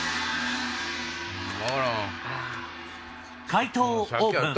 解答をオープン。